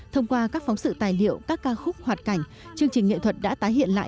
thông qua các phóng sự tài liệu các ca khúc hoạt cảnh chương trình nghệ thuật đã tái hiện lại